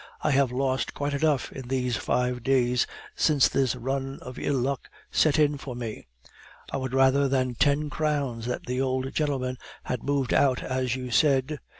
I have lost quite enough in these five days since this run of ill luck set in for me. I would rather than ten crowns that the old gentlemen had moved out as you said.